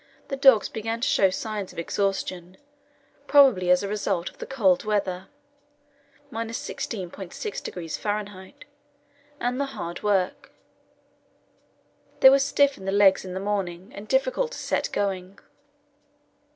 the dogs began to show signs of exhaustion, probably as a result of the cold weather ( 16.6° F.) and the hard work. They were stiff in the legs in the morning and difficult to set going.